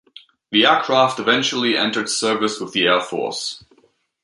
The aircraft eventually entered service with the Air Force.